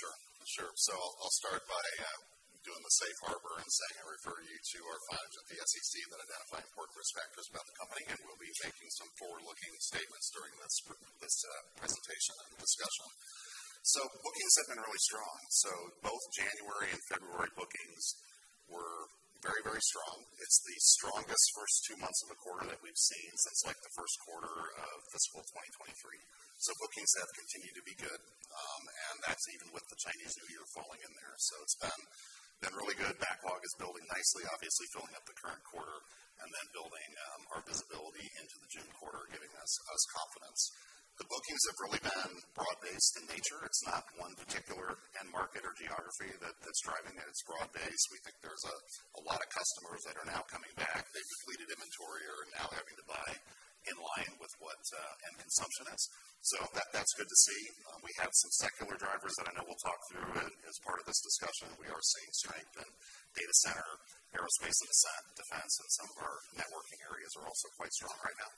Sure, sure. I'll start by doing the safe harbor and saying I refer you to our filings with the SEC that identify important risk factors about the company, and we'll be making some forward-looking statements during this presentation and discussion. Bookings have been really strong. Both January and February bookings were very, very strong. It's the strongest first two months of the quarter that we've seen since like the first quarter of fiscal 2023. Bookings have continued to be good, and that's even with the Chinese New Year falling in there. It's been really good. Backlog is building nicely, obviously filling up the current quarter and then building our visibility into the June quarter, giving us confidence. The bookings have really been broad-based in nature. It's not one particular end market or geography that's driving it. It's broad-based. We think there's a lot of customers that are now coming back. They've depleted inventory, are now having to buy in line with what end consumption is. So that's good to see. We have some secular drivers that I know we'll talk through as part of this discussion. We are seeing strength in data center, aerospace and defense, and some of our networking areas are also quite strong right now.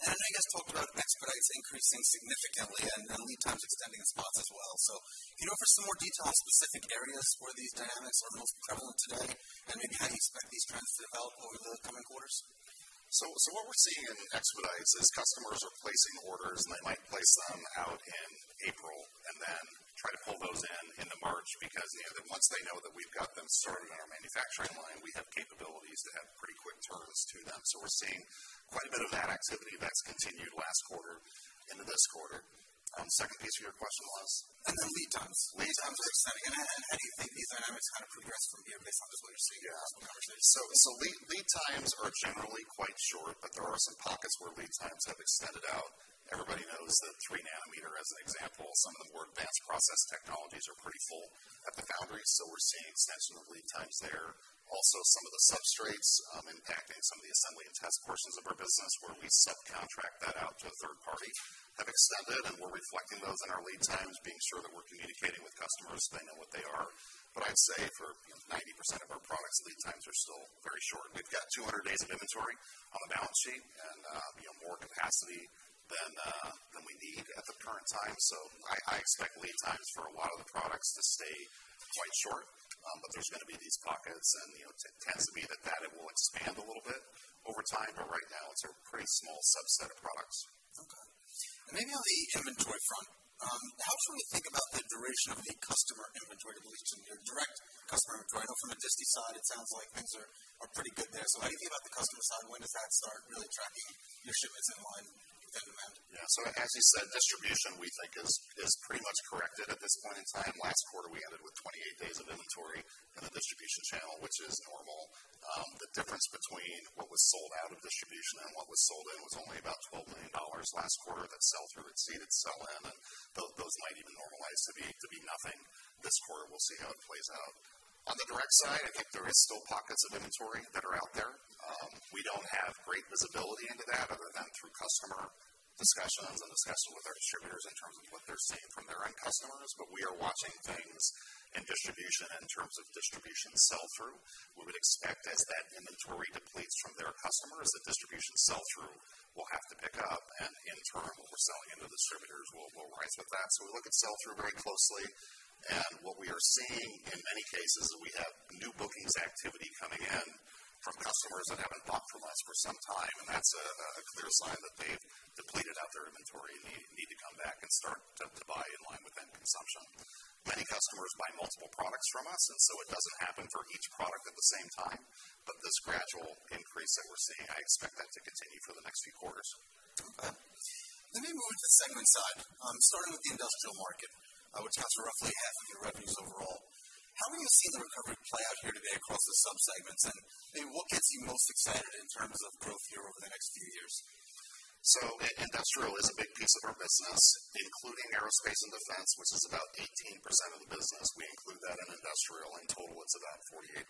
Okay. I know you guys talked about expenditures increasing significantly and lead times extending in spots as well. Can you offer some more detail on specific areas where these dynamics are the most prevalent today, and maybe how you expect these trends to develop over the coming quarters? What we're seeing in expedites is customers are placing orders, and they might place them out in April and then try to pull those in into March because, you know, then once they know that we've got them started in our manufacturing line, we have capabilities that have pretty quick turns to them. We're seeing quite a bit of that activity that's continued last quarter into this quarter. Second piece of your question was? Lead times extending and how do you think these dynamics kind of progress from here based on just what you're seeing in customer conversations? Yeah. Lead times are generally quite short, but there are some pockets where lead times have extended out. Everybody knows that three nm, as an example, some of the more advanced process technologies are pretty full at the foundry, so we're seeing extension of lead times there. Also, some of the substrates impacting some of the assembly and test portions of our business where we subcontract that out to a third party have extended, and we're reflecting those in our lead times, being sure that we're communicating with customers, they know what they are. What I'd say for, you know, 90% of our products, lead times are still very short. We've got 200 days of inventory on the balance sheet and, you know, more capacity than we need at the current time. I expect lead times for a lot of the products to stay quite short. There's gonna be these pockets and, you know, tends to be that it will expand a little bit over time. Right now, it's a pretty small subset of products. Okay. Maybe on the inventory front, how should we think about the duration of the customer inventory depletion, your direct customer inventory? I know from the disti side, it sounds like things are pretty good there. Anything about the customer side and when does that start really tracking your shipments in line with end demand? Yeah. As you said, distribution, we think is pretty much corrected at this point in time. Last quarter, we ended with 28 days of inventory in the distribution channel, which is normal. The difference between what was sold out of distribution and what was sold in was only about $12 million last quarter. That sell-through exceeded sell in, and those might even normalize to be nothing this quarter. We'll see how it plays out. On the direct side, I think there is still pockets of inventory that are out there. We don't have great visibility into that other than through customer discussions and discussion with our distributors in terms of what they're seeing from their end customers. But we are watching things in distribution in terms of distribution sell-through. We would expect as that inventory depletes from their customers, the distribution sell-through will have to pick up, and in turn, what we're selling into distributors will rise with that. We look at sell-through very closely, and what we are seeing in many cases is that we have new bookings activity coming in from customers that haven't bought from us for some time. That's a clear sign that they've depleted out their inventory and need to come back and start to buy in line with end consumption. Many customers buy multiple products from us, and so it doesn't happen for each product at the same time. This gradual increase that we're seeing, I expect that to continue for the next few quarters. Okay. Let me move to the segment side. Starting with the industrial market, which accounts for roughly half of your revenues overall. How are you seeing the recovery play out here today across the sub-segments? Maybe what gets you most excited in terms of growth here over the next few years? Industrial is a big piece of our business, including aerospace and defense, which is about 18% of the business. We include that in industrial. In total, it's about 48%.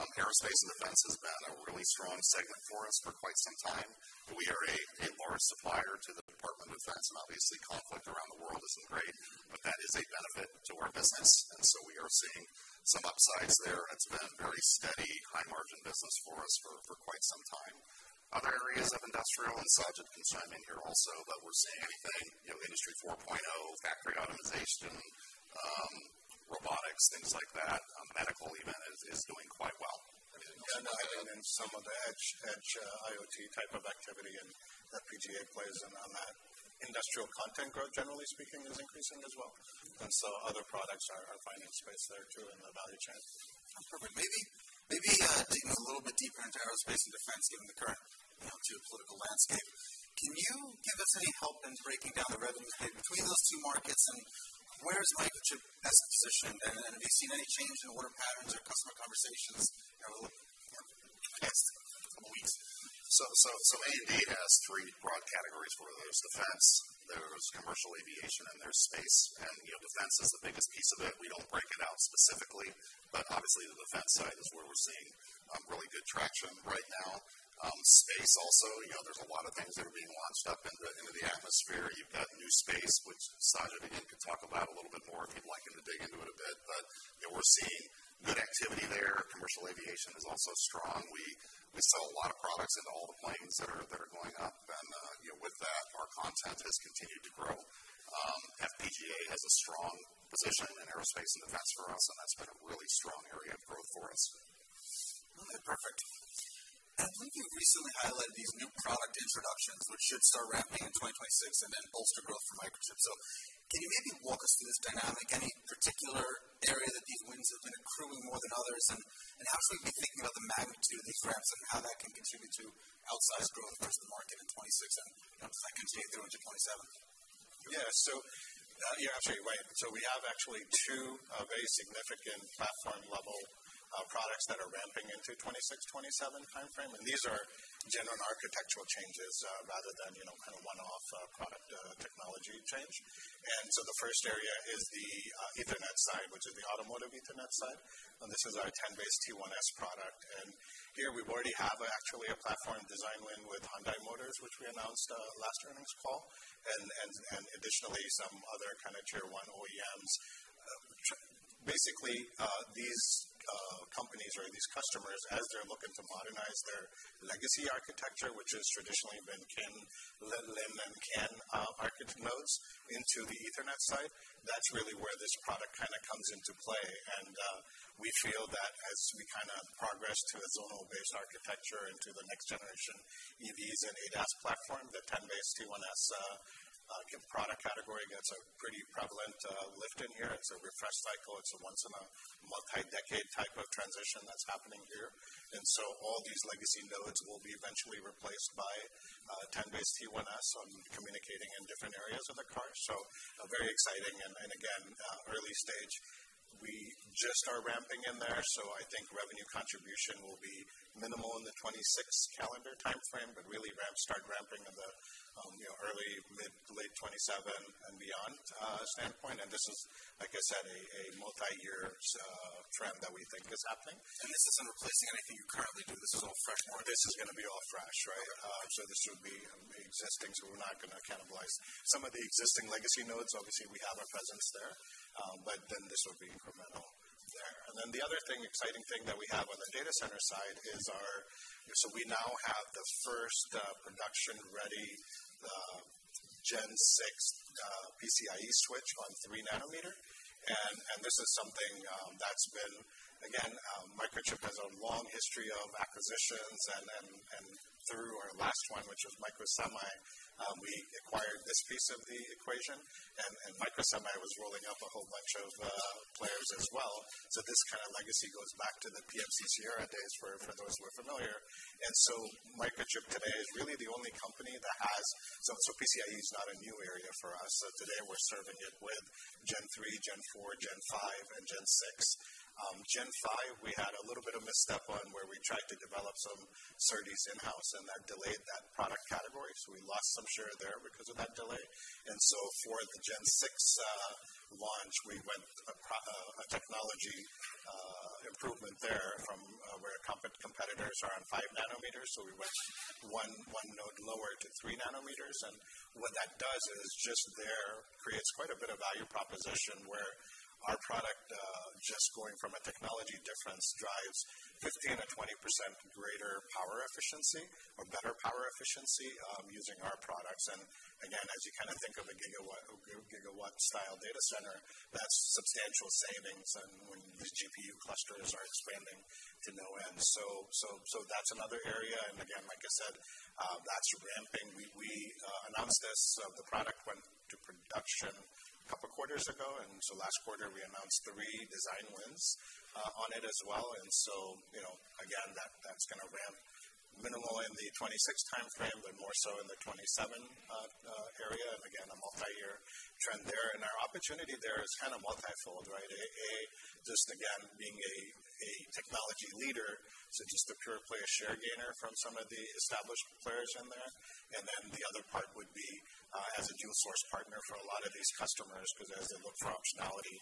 Aerospace and defense has been a really strong segment for us for quite some time. We are a large supplier to the Department of Defense, and obviously conflict around the world isn't great, but that is a benefit to our business, and so we are seeing some upsides there. It's been very steady, high margin business for us for quite some time. Other areas of industrial and Sajid can chime in here also, but we're seeing in, you know, Industry 4.0, factory automation, robotics, things like that, medical even is doing quite well. Yeah. I mean, some of the edge IoT type of activity and that FPGA plays in on that. Industrial content growth, generally speaking, is increasing as well. Other products are finding space there too in the value chain. Okay. Maybe digging a little bit deeper into aerospace and defense, given the current, you know, geopolitical landscape. Can you give us any help in breaking down the revenue split between those two markets, and where is Microchip best positioned? Have you seen any change in order patterns or customer conversations, you know, over the, you know, past couple weeks? A&D has three broad categories. There's defense, there's commercial aviation, and there's space. You know, defense is the biggest piece of it. We don't break it out specifically, but obviously the defense side is where we're seeing really good traction right now. Space also, you know, there's a lot of things that are being launched up into the atmosphere. You've got new space, which Sajid, again, can talk about a little bit more if you'd like him to dig into it a bit. We're seeing good activity there. Commercial aviation is also strong. We sell a lot of products into all the planes that are going up. You know, with that, our content has continued to grow. FPGA has a strong position in aerospace and defense for us, and that's been a really strong area of growth for us. Okay, perfect. I think you recently highlighted these new product introductions, which should start ramping in 2026 and then bolster growth for Microchip. Can you maybe walk us through this dynamic, any particular area that these wins have been accruing more than others? How should we be thinking about the magnitude of these ramps and how that can contribute to outsized growth versus the market in 2026 and, you know, if that continues through into 2027? We have actually two very significant platform level products that are ramping into 2026, 2027 timeframe. These are general architectural changes rather than, you know, kind of one-off product technology change. The first area is the Ethernet side, which is the automotive Ethernet side. This is our 10BASE-T1S product. Here we already have actually a platform design win with Hyundai Motor Company, which we announced last earnings call and additionally some other kind of tier one OEMs. Basically, these companies or these customers, as they're looking to modernize their legacy architecture, which has traditionally been CAN, LIN, and CAN architect nodes into the Ethernet side, that's really where this product kind of comes into play. We feel that as we kind of progress to its zone-based architecture into the next generation EVs and ADAS platform, the 10BASE-T1S product category gets a pretty prevalent lift in here. It's a refresh cycle. It's a once in a multi-decade type of transition that's happening here. All these legacy nodes will be eventually replaced by 10BASE-T1S for communicating in different areas of the car. Very exciting and again, early stage, we just are ramping in there. I think revenue contribution will be minimal in the 2026 calendar timeframe, but really start ramping in the early- to mid- to late-2027 and beyond standpoint. This is, like I said, a multi-year trend that we think is happening. This isn't replacing anything you currently do. This is all fresh market. This is gonna be all fresh, right? This would be existing, so we're not gonna cannibalize some of the existing legacy nodes. Obviously, we have a presence there, but then this will be incremental there. The other thing, exciting thing that we have on the data center side is our. We now have the first production-ready Gen 6 PCIe switch on three nm. This is something that's been again. Microchip has a long history of acquisitions and through our last one, which was Microsemi, we acquired this piece of the equation and Microsemi was rolling up a whole bunch of players as well. This kind of legacy goes back to the PMC-Sierra days for those who are familiar. PCIe is not a new area for us. Today we're serving it with Gen 3, Gen 4, Gen 5, and Gen 6. Gen 5, we had a little bit of misstep on where we tried to develop some SerDes in-house and that delayed that product category. We lost some share there because of that delay. For the Gen 6 launch, we went across a technology improvement there from where competitors are on five nm. We went one node lower to three nm. What that does is just there creates quite a bit of value proposition where our product just going from a technology difference drives 15%-20% greater power efficiency or better power efficiency using our products. Again, as you kind of think of a gigawatt style data center, that's substantial savings and when these GPU clusters are expanding to no end. So that's another area. Again, like I said, that's ramping. We announced this, the product went to production a couple quarters ago, and so last quarter we announced three design wins on it as well. So you know, again, that's gonna ramp minimal in the 2026 timeframe, but more so in the 2027 area. Again, a multi-year trend there. Our opportunity there is kind of multi-fold, right? A, just again, being a technology leader. So just a pure play share gainer from some of the established players in there. The other part would be as a dual source partner for a lot of these customers, because as they look for optionality,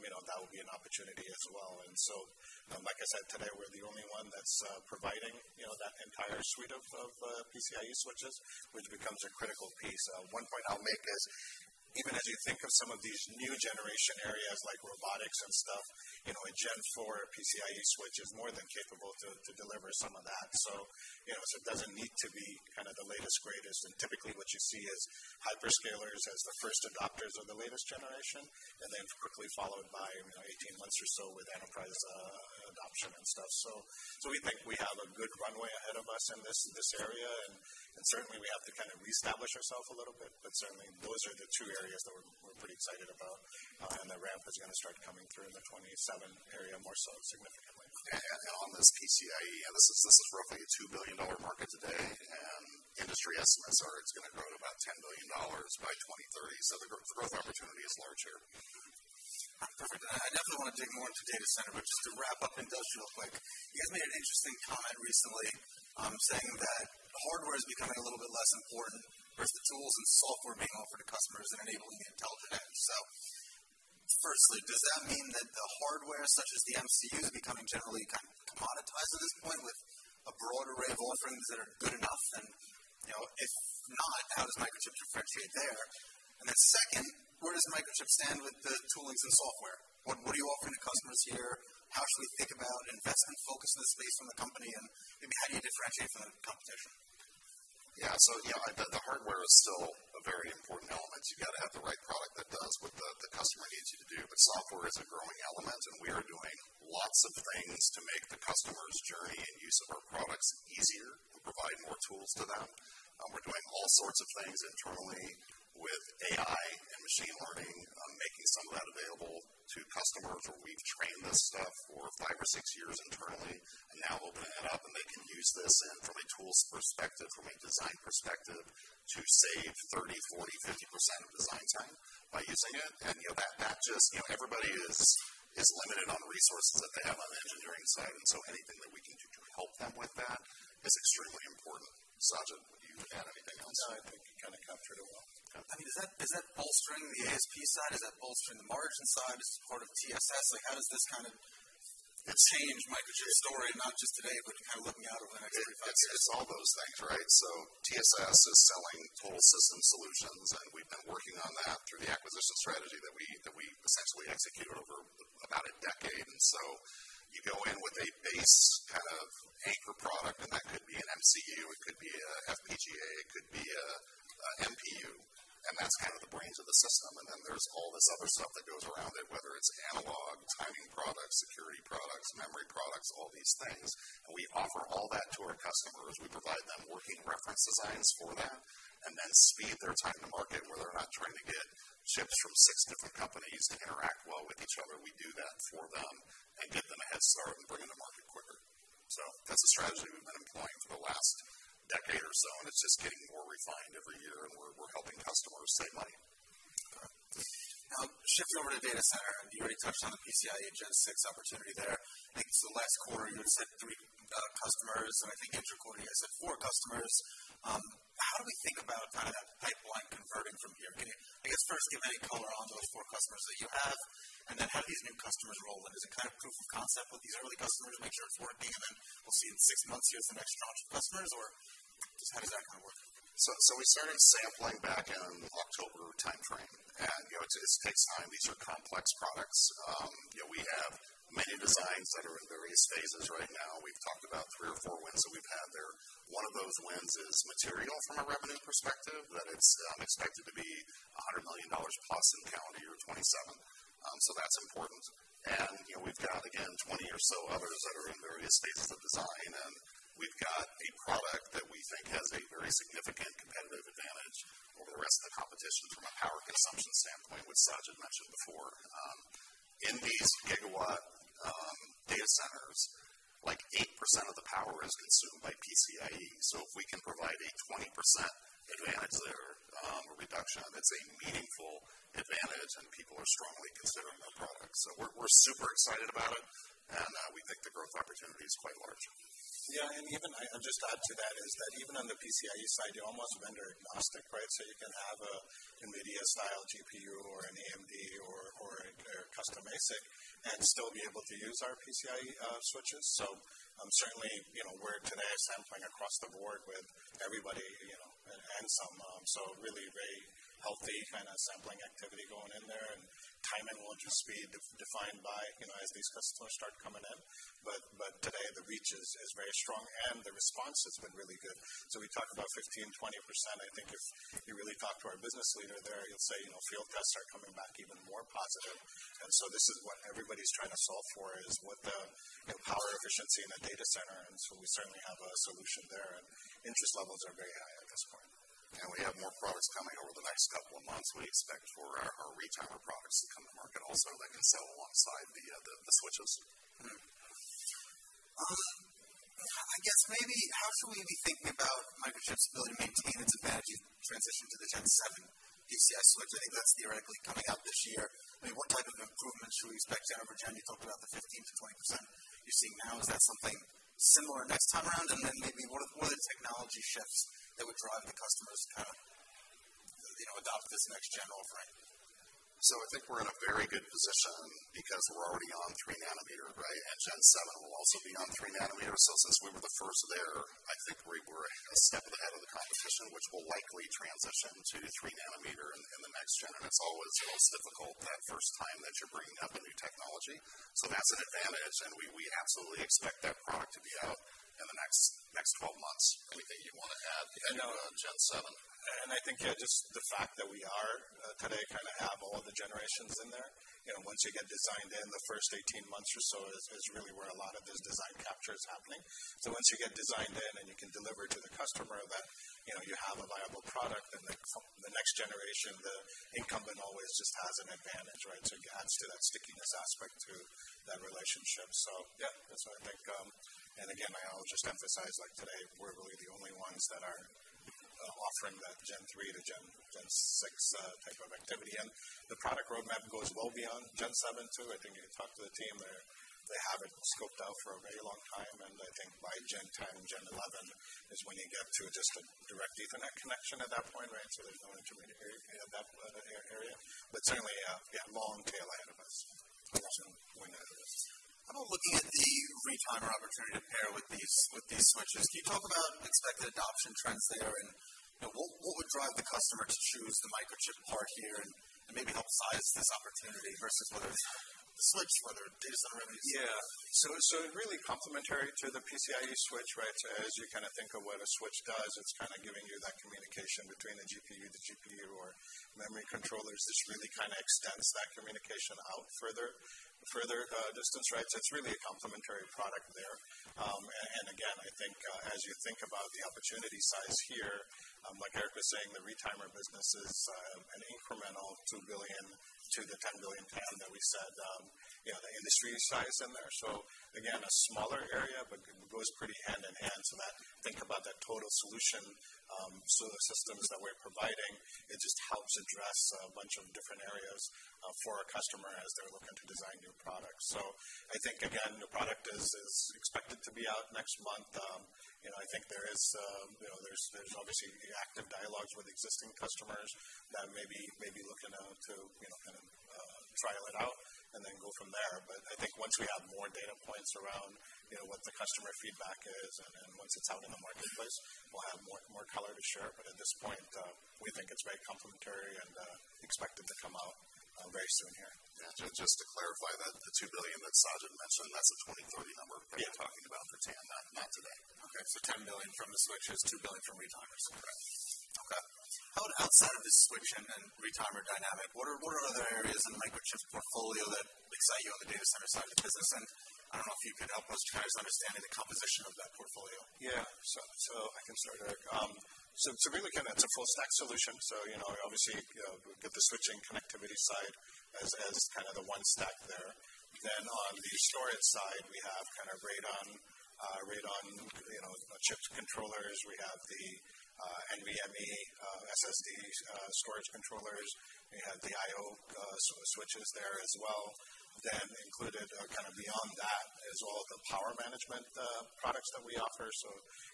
you know, that would be an opportunity as well. Like I said, today we're the only one that's providing, you know, that entire suite of PCIe switches, which becomes a critical piece. One point I'll make is even as you think of some of these new generation areas like robotics and stuff, you know, a Gen 4 PCIe switch is more than capable to deliver some of that. You know, so it doesn't need to be kind of the latest, greatest. Typically what you see is hyperscalers as the first adopters of the latest generation and then quickly followed by, you know, 18 months or so with enterprise adoption and stuff. We think we have a good runway ahead of us in this area. Certainly we have to kind of reestablish ourselves a little bit, but certainly those are the two areas that we're pretty excited about. The ramp is gonna start coming through in the 2027 area more so significantly. On this PCIe, this is roughly a $2 billion market today, and industry estimates are it's gonna grow to about $10 billion by 2030. The growth opportunity is large here. Perfect. I definitely want to dig more into data center, but just to wrap up industrial quick, you guys made an interesting comment recently, saying that hardware is becoming a little bit less important versus the tools and software being offered to customers and enabling the intelligent edge. Firstly, does that mean that the hardware such as the MCUs are becoming generally kind of commoditized at this point with a broad array of offerings that are good enough and, you know, if not, how does Microchip differentiate there? Then second, where does Microchip stand with the tools and software? What are you offering to customers here? How should we think about investment focus in the space from the company, and maybe how do you differentiate from the competition? Yeah. Yeah, I bet the hardware is still a very important element. You got to have the right product that does what the customer needs you to do, but software is a growing element, and we are doing lots of things to make the customer's journey and use of our products easier and provide more tools to them. We're doing all sorts of things internally with AI and machine learning, making some of that available to customers where we've trained this stuff for five or six years internally, and now opening that up, and they can use this and from a tools perspective, from a design perspective, to save 30, 40, 50% of design time by using it. You know, that just you know everybody is limited on the resources that they have on the engineering side, and so anything that we can do to help them with that is extremely important. Sajid, would you add anything else? No, I think you kind of captured it well. Yeah. I mean, is that bolstering the ASP side? Is that bolstering the margin side as part of TSS? Like, how does this kind of change Microchip's story, not just today, but kind of looking out over the next three to five years? It's all those things, right? TSS is selling total system solutions, and we've been working on that through the acquisition strategy that we essentially executed over about a decade. You go in with a base kind of anchor product, and that could be an MCU, it could be a FPGA, it could be a MPU, and that's kind of the brains of the system. Then there's all this other stuff that goes around it, whether it's analog, timing products, security products, memory products, all these things. We offer all that to our customers. We provide them working reference designs for them and then speed their time to market, where they're not trying to get chips from six different companies to interact well with each other. We do that for them and give them a head start and bring them to market quicker. That's a strategy we've been employing for the last decade or so, and it's just getting more refined every year, and we're helping customers save money. Shifting over to data center, you already touched on the PCIe Gen 6 opportunity there. I think it's the last quarter you had said three customers, and I think in the quarter you had said four customers. How do we think about kind of that pipeline converting from here? Maybe, I guess first give any color on those four customers that you have, and then how do these new customers roll in? Is it kind of proof of concept with these early customers to make sure it's working, and then we'll see in six months here some extra customers or just how does that kind of work? We started sampling back in October timeframe and it takes time. These are complex products. We have many designs that are in various phases right now. We've talked about three or four wins that we've had there. One of those wins is material from a revenue perspective, that it's expected to be $100 million plus in calendar year 2027. That's important. We've got again 20 or so others that are in various phases of design, and we've got a product that we think has a very significant competitive advantage over the rest of the competition from a power consumption standpoint, which Sajid mentioned before. In these gigawatt data centers, like 8% of the power is consumed by PCIe. If we can provide a 20% advantage there, a reduction, that's a meaningful advantage and people are strongly considering the product. We're super excited about it and we think the growth opportunity is quite large. Yeah. Even I'll just add to that, is that even on the PCIe side, you're almost vendor-agnostic, right? So you can have a NVIDIA-style GPU or an AMD or a custom ASIC and still be able to use our PCIe switches. So certainly, you know, we're today sampling across the board with everybody, you know, and some so really very healthy kind of sampling activity going in there and timing will just be defined by, you know, as these customers start coming in. But today the reach is very strong and the response has been really good. So we talk about 15%-20%. I think if you really talk to our business leader there, he'll say, you know, field tests are coming back even more positive. This is what everybody's trying to solve for is what the, you know, power efficiency in a data center, and so we certainly have a solution there and interest levels are very high at this point. We have more products coming over the next couple of months. We expect for our retimer products to come to market also that can sell alongside the switches. I guess maybe how should we be thinking about Microchip's ability to maintain its advantage in transition to the Gen 7 PCIe switch? I think that's theoretically coming out this year. I mean, what type of improvements should we expect there over time? You talked about the 15%-20% you're seeing now. Is that something similar next time around? Maybe what are the technology shifts that would drive the customers to, you know, adopt this next gen offering? I think we're in a very good position because we're already on three nm, right? Gen 7 will also be on three nm. Since we were the first there, I think we were a step ahead of the competition, which will likely transition to three nm in the next gen. It's always the most difficult that first time that you're bringing up a new technology. That's an advantage, and we absolutely expect that product to be out in the next 12 months. Anything you want to add on Gen 7? I think, yeah, just the fact that we are today kind of have all of the generations in there. You know, once you get designed in the first 18 months or so is really where a lot of this design capture is happening. Once you get designed in and you can deliver to the customer that, you know, you have a viable product in the next generation, the incumbent always just has an advantage, right? It adds to that stickiness aspect to that relationship. Yeah, that's what I think. Again, I'll just emphasize like today we're really the only ones that are offering that Gen 3 to Gen 6 type of activity. The product roadmap goes well beyond Gen 7 too. I think you talk to the team, they have it scoped out for a very long time, and I think by Gen 10, Gen 5 is when you get to just a direct Ethernet connection at that point, right? There's no intermediate area at that area. But certainly, yeah, long tail end of this potential win address. How about looking at the retimer opportunity to pair with these switches. Can you talk about expected adoption trends there and, you know, what would drive the customer to choose the Microchip part here and maybe help size this opportunity versus whether it's the switch, whether it's data center or PC? Yeah. Really complementary to the PCIe switch, right? As you kind of think of what a switch does, it's kind of giving you that communication between the GPU or memory controllers. This really kind of extends that communication out further distance, right? It's really a complementary product there. And again, I think, as you think about the opportunity size here, like Eric was saying, the retimer business is an incremental $2 billion to the $10 billion TAM that we said, you know, the industry size in there. Again, a smaller area, but it goes pretty hand in hand. Think about that total solution, the systems that we're providing, it just helps address a bunch of different areas for our customer as they're looking to design new products. I think again, the product is expected to be out next month. You know, I think there is, you know, there's obviously the active dialogues with existing customers that may be looking to, you know, kind of, trial it out and then go from there. I think once we have more data points around, you know, what the customer feedback is and once it's out in the marketplace, we'll have more color to share. At this point, we think it's very complementary and expected to come out very soon here. Yeah. Just to clarify that the $2 billion that Sajid mentioned, that's a 2030 number. Yeah. We're talking about the TAM, not today. Okay. $10 billion from the switches, $2 billion from retimers. Correct. Okay. How about outside of the switch and retimer dynamic, what are other areas in the Microchip portfolio that excite you on the data center side of the business? I don't know if you can help us kind of understanding the composition of that portfolio. Yeah. I can start, Eric. Really kind of it's a full stack solution. You know, obviously, you know, we've got the switching connectivity side as kind of the one stack there. Then on the storage side, we have kind of RAID-on-Chip, you know, chip controllers. We have the NVMe SSD storage controllers. We have the IO so switches there as well. Then included kind of beyond that is all of the power management products that we offer.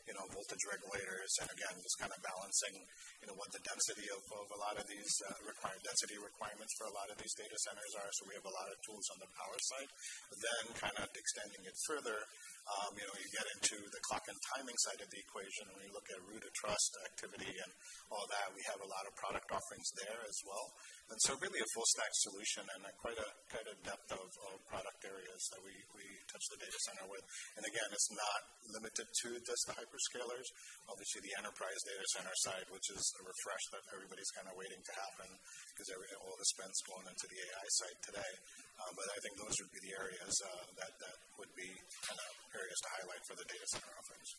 You know, voltage regulators and again, just kind of balancing, you know, what the density of a lot of these required density requirements for a lot of these data centers are. We have a lot of tools on the power side. Kind of extending it further, you know, you get into the clock and timing side of the equation. When you look at root of trust activity and all that, we have a lot of product offerings there as well. Really a full stack solution and then quite a depth of product areas that we touch the data center with. Again, it's not limited to just the hyperscalers. Obviously, the enterprise data center side, which is a refresh that everybody's kind of waiting to happen because all the spend's going into the AI side today. I think those would be the areas that would be kind of areas to highlight for the data center offerings.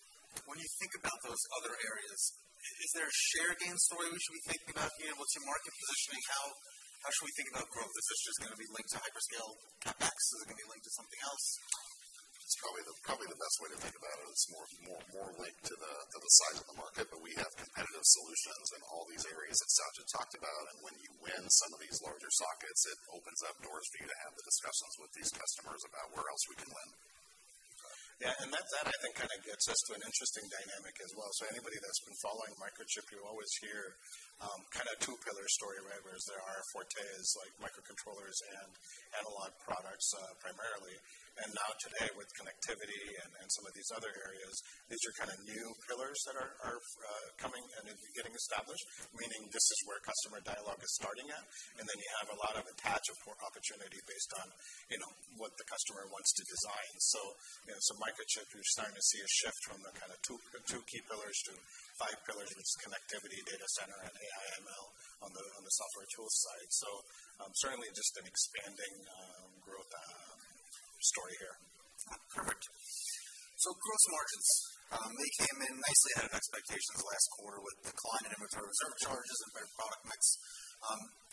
When you think about those other areas, is there a share gain story we should be thinking about here with your market positioning? How should we think about growth? Is this just gonna be linked to hyperscale CapEx? Is it gonna be linked to something else? It's probably the best way to think about it is more linked to the size of the market. We have competitive solutions in all these areas that Sajid talked about, and when you win some of these larger sockets, it opens up doors for you to have the discussions with these customers about where else we can win. Got it. Yeah. That I think kind of gets us to an interesting dynamic as well. Anybody that's been following Microchip, you always hear kind of two pillar story, right? Where there are forts like microcontrollers and analog products, primarily. Now today with connectivity and some of these other areas, these are kind of new pillars that are coming and getting established, meaning this is where customer dialogue is starting at. Then you have a lot of attach opportunity based on, you know, what the customer wants to design. You know, Microchip, you're starting to see a shift from the kind of two key pillars to five pillars. It's connectivity, data center, and AI, ML on the software tool side. Certainly just an expanding growth story here. Correct. Gross margins, they came in nicely ahead of expectations last quarter with decline in inventory reserve charges and better product mix.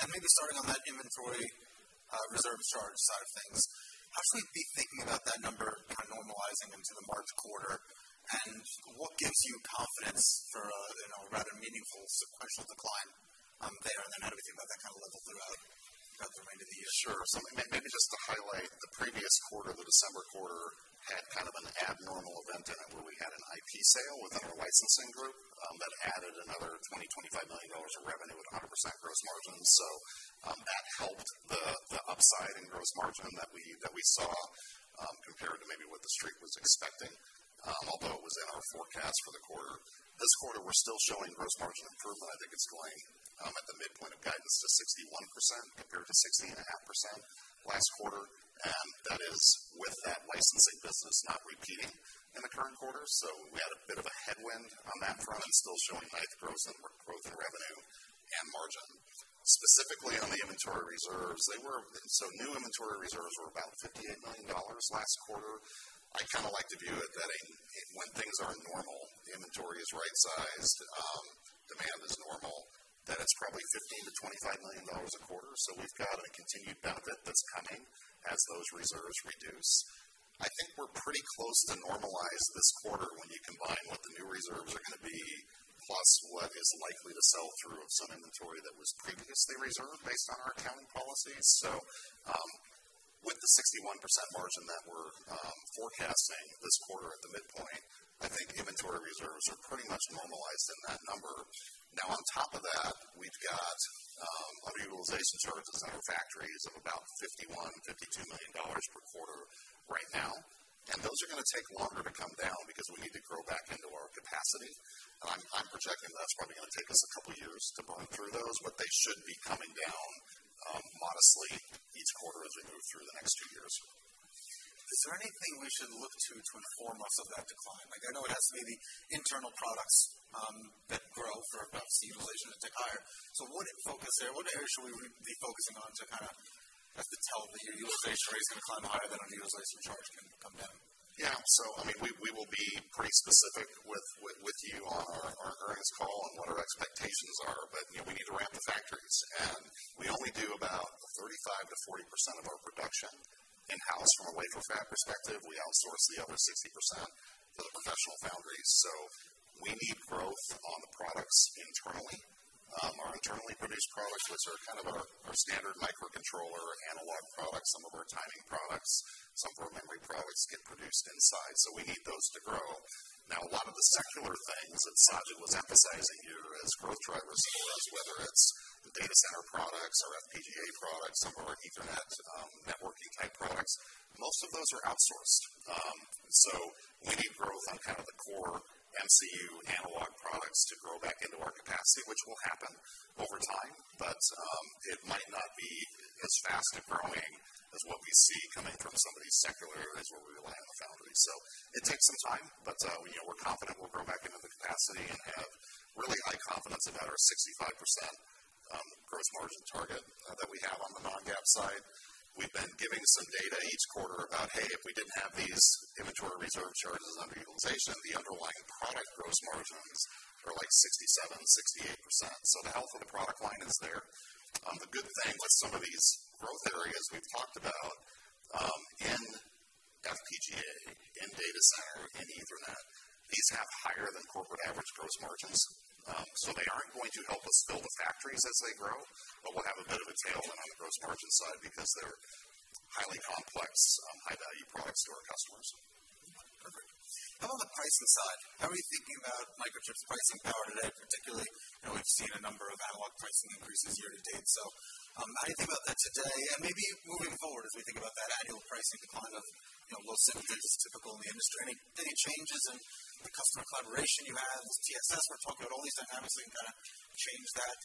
Maybe starting on that inventory reserves charge side of things, how should we be thinking about that number kind of normalizing into the March quarter? What gives you confidence for a you know a rather meaningful sequential decline there? Then how do we think about that kind of level throughout the remainder of the year? Sure. Maybe just to highlight the previous quarter, the December quarter had kind of an abnormal event in it where we had an IP sale within our licensing group that added another $25 million of revenue at 100% gross margin. That helped the upside in gross margin that we saw compared to maybe what the Street was expecting, although it was in our forecast for the quarter. This quarter, we're still showing gross margin improvement. I think it's going at the midpoint of guidance to 61% compared to 60.5% last quarter. That is with that licensing business not repeating in the current quarter. We had a bit of a headwind on that front and still showing nice growth in revenue and margin. Specifically on the inventory reserves, new inventory reserves were about $58 million last quarter. I kind of like to view it that in when things are normal, inventory is right-sized, demand is normal, that it's probably $15 million-$25 million a quarter. We've got a continued benefit that's coming as those reserves reduce. I think we're pretty close to normalized this quarter when you combine what the new reserves are gonna be. What is likely to sell through of some inventory that was previously reserved based on our accounting policies. With the 61% margin that we're forecasting this quarter at the midpoint, I think inventory reserves are pretty much normalized in that number. Now, on top of that, we've got underutilization charges on our factories of about $51-$52 million per quarter right now. Those are gonna take longer to come down because we need to grow back into our capacity. I'm projecting that's probably gonna take us a couple years to burn through those, but they should be coming down modestly each quarter as we move through the next two years. Is there anything we should look to to inform us of that decline? Like I know it has maybe internal products that grow or underutilization to tick higher. What's in focus there, what area should we be focusing on to kind of as the utilization rate is gonna climb higher, then underutilization charge can come down? Yeah. I mean, we will be pretty specific with you on our earnings call and what our expectations are. You know, we need to ramp the factories, and we only do about 35%-40% of our production in-house from a wafer fab perspective. We outsource the other 60% to the professional foundries, so we need growth on the products internally. Our internally produced products, which are kind of our standard microcontroller analog products, some of our timing products, some of our memory products get produced inside, so we need those to grow. Now, a lot of the secular things that Sajid was emphasizing here as growth drivers for us, whether it's data center products or FPGA products, some of our Ethernet networking type products, most of those are outsourced. We need growth on kind of the core MCU analog products to grow back into our capacity, which will happen over time, but it might not be as fast at growing as what we see coming from some of these secular areas where we rely on the foundry. It takes some time, but you know, we're confident we'll grow back into the capacity and have really high confidence about our 65% gross margin target that we have on the non-GAAP side. We've been giving some data each quarter about, hey, if we didn't have these inventory reserve charges on the utilization, the underlying product gross margins are like 67%, 68%. The health of the product line is there. The good thing with some of these growth areas we've talked about, in FPGA, in data center, in Ethernet, these have higher than corporate average gross margins. They aren't going to help us fill the factories as they grow, but we'll have a bit of a tailwind on the gross margin side because they're highly complex, high value products to our customers. Perfect. How about the pricing side? How are we thinking about Microchip's pricing power today, particularly? I know we've seen a number of analog pricing increases year to date. How do you think about that today and maybe moving forward as we think about that annual pricing decline of, you know, low single digits typical in the industry? Any changes in the customer collaboration you have with TSS? We're talking about all these dynamics that can kind of change that.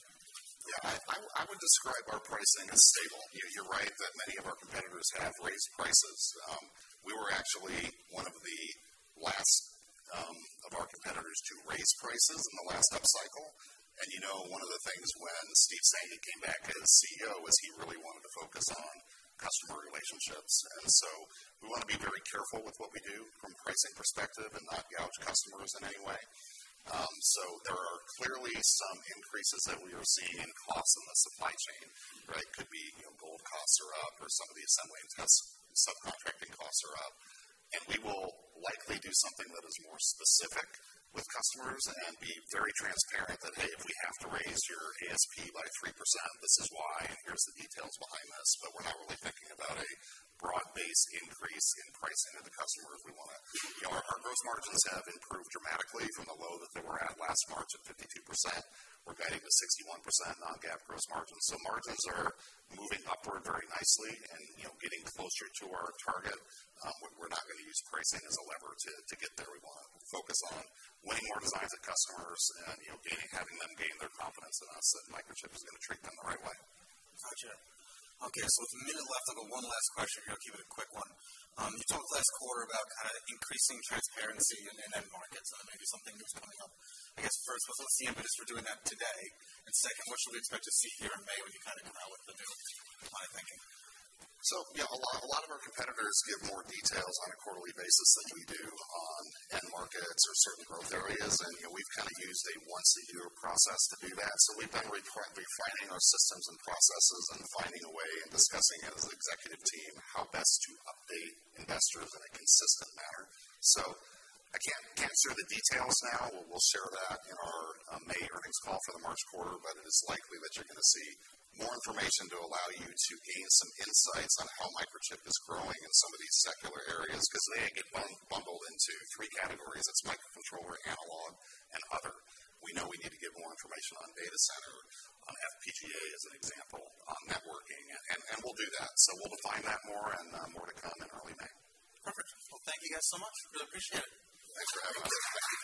Yeah, I would describe our pricing as stable. You're right that many of our competitors have raised prices. We were actually one of the last of our competitors to raise prices in the last upcycle. You know, one of the things when Steve Sanghi came back as CEO is he really wanted to focus on customer relationships. We wanna be very careful with what we do from pricing perspective and not gouge customers in any way. There are clearly some increases that we are seeing in costs in the supply chain, right? Could be, you know, gold costs are up or some of the assembly and test subcontracting costs are up. We will likely do something that is more specific with customers and be very transparent that, "Hey, if we have to raise your ASP by 3%, this is why. Here's the details behind this." We're not really thinking about a broad-based increase in pricing to the customers. You know, our gross margins have improved dramatically from the low that they were at last March of 52%. We're guiding to 61% non-GAAP gross margins. Margins are moving upward very nicely and, you know, getting closer to our target. We're not gonna use pricing as a lever to get there. We wanna focus on winning more designs at customers and, you know, having them gain their confidence in us that Microchip is gonna treat them the right way. Gotcha. Okay, so with a minute left, I've got one last question here. I'll keep it a quick one. You talked last quarter about kind of increasing transparency in end markets, maybe something new is coming up. I guess first, what's the outlook just for doing that today? Second, what should we expect to see here in May when you kind of roll out the new line of thinking? You know, a lot of our competitors give more details on a quarterly basis than we do on end markets or certain growth areas. You know, we've kind of used a once a year process to do that. We've been refining our systems and processes and finding a way and discussing as an executive team how best to update investors in a consistent manner. I can't share the details now. We'll share that in our May earnings call for the March quarter. It is likely that you're gonna see more information to allow you to gain some insights on how Microchip is growing in some of these secular areas, 'cause they get bundled into three categories. It's microcontroller, analog, and other. We know we need to give more information on data center, on FPGA as an example, on networking, and we'll do that. We'll define that more and more to come in early May. Perfect. Well, thank you guys so much. Really appreciate it. Thanks for having us. Thank you.